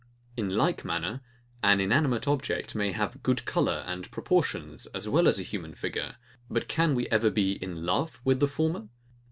In like manner, an inanimate object may have good colour and proportions as well as a human figure. But can we ever be in love with the former?